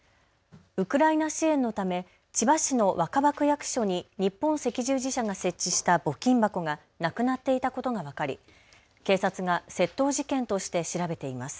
ウクライナ支援のため千葉市の若葉区役所に日本赤十字社が設置した募金箱がなくなっていたことが分かり警察が窃盗事件として調べています。